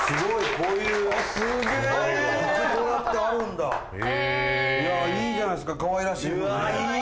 こうやってあるんだいいじゃないっすかかわいらしいうわあいい！